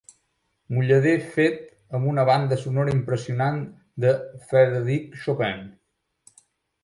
Mullader fet amb una banda sonora impressionant de Frederic Chopin.